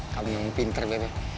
kamu yang pinter bebek